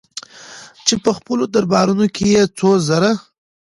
چې په خپلو دربارونو کې يې څو زره